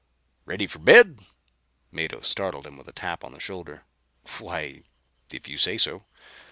"Ready for bed?" Mado startled him with a tap on the shoulder. "Why if you say so.